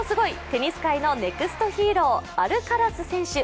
テニス界のネクストヒーローアルカラス選手。